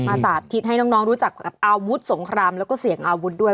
สาธิตให้น้องรู้จักกับอาวุธสงครามแล้วก็เสี่ยงอาวุธด้วย